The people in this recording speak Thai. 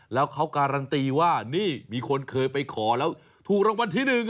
แล้วเขาการันตีว่านี่มีคนเคยไปขอแล้วถูกรางวัลที่๑